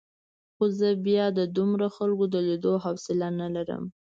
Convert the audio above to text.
خو زه بیا د دومره خلکو د لیدو حوصله نه لرم.